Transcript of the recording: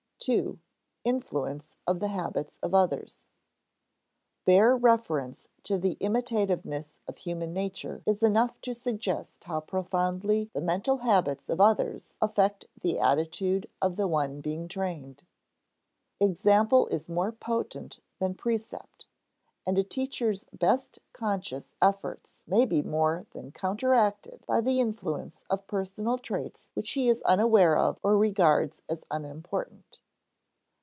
§ 2. Influence of the Habits of Others Bare reference to the imitativeness of human nature is enough to suggest how profoundly the mental habits of others affect the attitude of the one being trained. Example is more potent than precept; and a teacher's best conscious efforts may be more than counteracted by the influence of personal traits which he is unaware of or regards as unimportant.